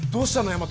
大和。